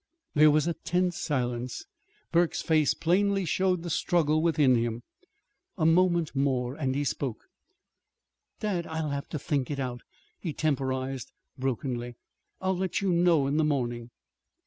There was a tense silence. Burke's face plainly showed the struggle within him. A moment more, and he spoke. "Dad, I'll have to think it out," he temporized brokenly. "I'll let you know in the morning."